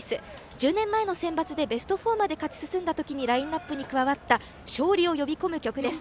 １０年前のセンバツでベスト４まで勝ち進んだ時にラインアップに加わった勝利を呼び込む曲です。